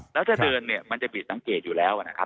แล้วถ้าเดินเนี่ยมันจะบิดสังเกตอยู่แล้วนะครับ